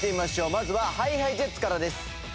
まずはＨｉＨｉＪｅｔｓからです。